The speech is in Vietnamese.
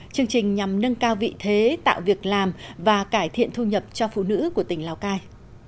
chương trình nhằm nâng cao vị thế tạo việc làm và cải thiện thu nhập cho phụ nữ của tỉnh lào cai